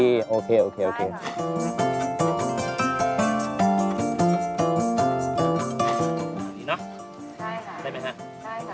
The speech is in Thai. อย่างนี้เนอะได้ไหมคะนะครับ